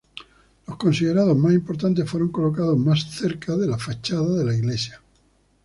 Los considerados más importantes fueron colocados más cerca de la fachada de la iglesia.